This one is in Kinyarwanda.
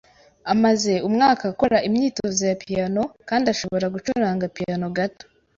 Amaze umwaka akora imyitozo ya piyano kandi ashobora gucuranga piyano gato.